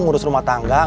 ngurus rumah tangga